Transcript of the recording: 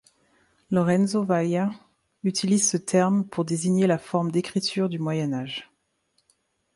Lorenzo Valla utilise ce terme pour désigner la forme d'écriture du moyen âge.